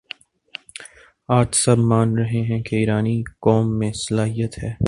آج سب مان رہے ہیں کہ ایرانی قوم میں صلاحیت ہے